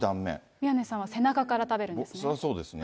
宮根さんは背中から食べるんですね。